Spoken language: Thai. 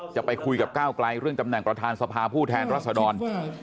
จะไปคุยกับก้าวไกลเรื่องตำแหน่งประธานสภาผู้แทนรัศดร